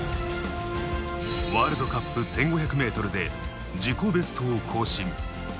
ワールドカップ１５００ｍで自己ベストを更新。